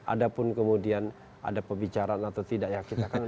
ada pun kemudian ada pebicaraan atau tidak ya